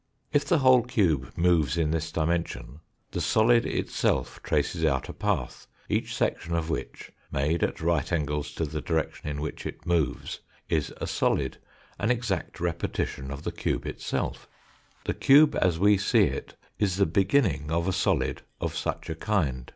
If the whole cube moves in this dimension, the solid itself traces out a path, each section of which, made at right angles to the direction in which it moves, is a solid, an exact repetition of the cube itself. The cube as we see it is the beginning of a solid of such a kind.